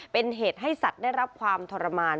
เป็นเหตุให้สัตว์ได้รับความทรมาน